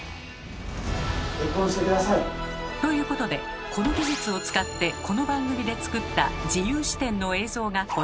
結婚して下さい。ということでこの技術を使ってこの番組で作った自由視点の映像がこちら。